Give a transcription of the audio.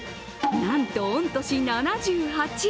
なんと御年７８。